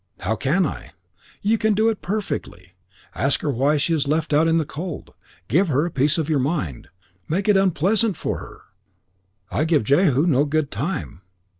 "How can I?" "You can do it perfectly. Ask her why she is left out in the cold. Give her a piece of your mind. Make it unpleasant for her. I give Jehu no good time."